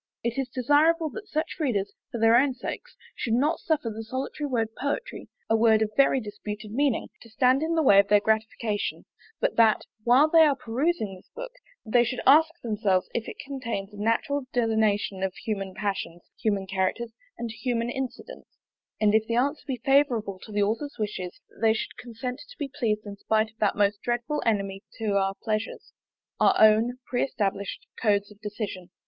It is desirable that such readers, for their own sakes, should not suffer the solitary word Poetry, a word of very disputed meaning, to stand in the way of their gratification; but that, while they are perusing this book, they should ask themselves if it contains a natural delineation of human passions, human characters, and human incidents; and if the answer be favourable to the author's wishes, that they should consent to be pleased in spite of that most dreadful enemy to our pleasures, our own pre established codes of decision.